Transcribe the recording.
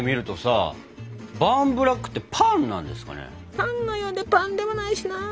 パンのようでパンではないしな。